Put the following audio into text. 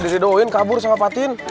saya gak didoain kabur sama patin